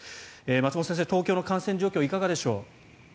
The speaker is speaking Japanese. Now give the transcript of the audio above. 松本先生、東京の感染状況いかがでしょう？